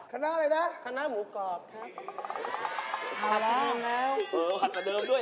คณะอะไรนะคณะหมูกรอบครับถัดดูแล้วเออถัดต่อเดิมด้วย